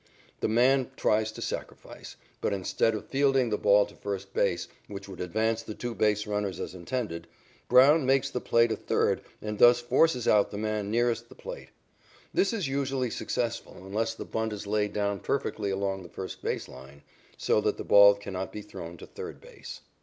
The batter tries to sacrifice, but instead of fielding the ball to first base, which would advance the two base runners as intended, Brown makes the play to third and thus forces out the man nearest the plate. This is usually successful unless the bunt is laid down perfectly along the first base line, so that the ball cannot be thrown to third base.